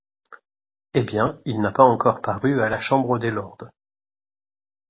Eh! bien, il n’a pas encore paru à la chambre des lords.